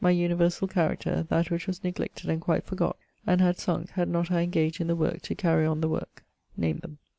universall character <: that> which was neglected and quite forgott and had sunk had not I engaged in the worke, to carry on the worke name them.